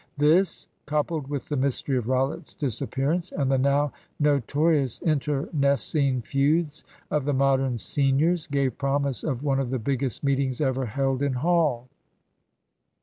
This, coupled with the mystery of Rollitt's disappearance, and the now notorious internecine feuds of the Modern seniors, gave promise of one of the biggest meetings ever held in Hall.